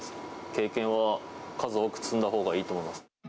経験は数多く積んだほうがいいと思います。